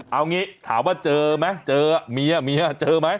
เอางี้ถามว่าเจอไหมเจอเมียเมียเจอไหม